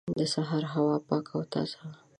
د سهار هوا پاکه او تازه وه.